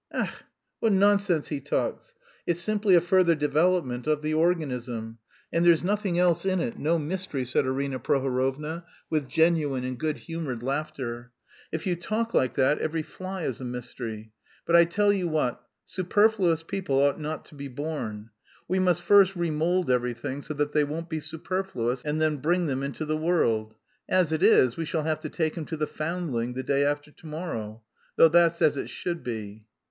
"Ech, what nonsense he talks! It's simply a further development of the organism, and there's nothing else in it, no mystery," said Arina Prohorovna with genuine and good humoured laughter. "If you talk like that, every fly is a mystery. But I tell you what: superfluous people ought not to be born. We must first remould everything so that they won't be superfluous and then bring them into the world. As it is, we shall have to take him to the Foundling, the day after to morrow.... Though that's as it should be."